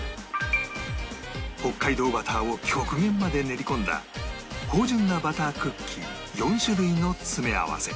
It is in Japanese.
北海道バターを極限まで練り込んだ芳醇なバタークッキー４種類の詰め合わせ